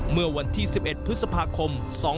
เมื่อวันที่๑๑พฤษภาคม๒๕๖